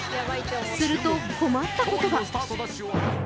すると困ったことが。